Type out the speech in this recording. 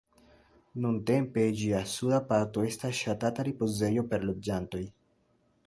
Nuntempe ĝia suda parto estas ŝatata ripozejo por loĝantoj.